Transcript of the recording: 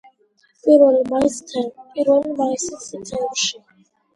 პირველი მაისის თემში.